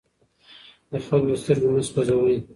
د خلکو سترګې مه سوځوئ.